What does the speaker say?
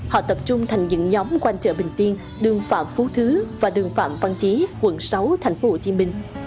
họ tập trung thành những nhóm quanh chợ bình tiên đường phạm phú thứ và đường phạm văn chí quận sáu tp hcm